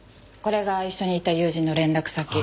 これが一緒に行った友人の連絡先。